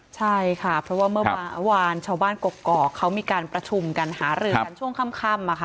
ใช่ค่ะเพราะว่าเมื่อวานชาวบ้านกกอกเขามีการประชุมกันหารือกันช่วงค่ำ